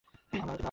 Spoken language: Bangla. আমি আরতি গো, আরতি।